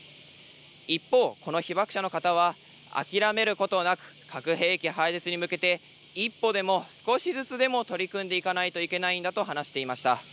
一方、この被爆者の方は、諦めることなく、核兵器廃絶に向けて、一歩でも少しずつでも取り組んでいかなきゃいけないんだと話していました。